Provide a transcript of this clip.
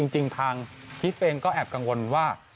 จริงทางคิสเองก็แอบกังวลว่า